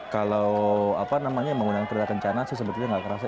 kalau apa namanya menggunakan kereta kencana sih sebetulnya nggak kerasa